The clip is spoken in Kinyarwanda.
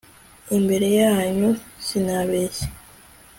imbere yanyu sinabeshya